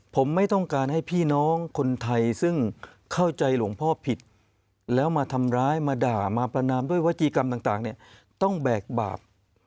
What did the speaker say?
ผมไม่ต้องการให้พี่น้องคนไทยซึ่งเข้าใจหลวงพ่อผิดแล้วมาทำร้ายมาด่ามาประนามด้วยวัตกรรมีกรรมต่างเนี่ยต้องแบกบาป